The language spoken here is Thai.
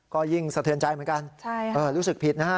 ก็ยิ่งสะเทือนใจเหมือนกันรู้สึกผิดนะฮะ